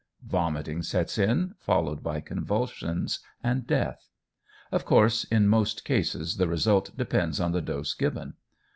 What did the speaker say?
Vomiting sets in, followed by convulsions and death. Of course, in most cases the result depends on the dose given.